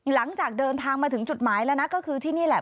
หลังจากเดินทางมาถึงจุดหมายแล้วนะก็คือที่นี่แหละ